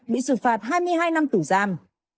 bị sự phạt hai mươi hai năm tử giam